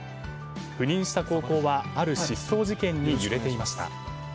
赴任した高校はある失踪事件に揺れていました。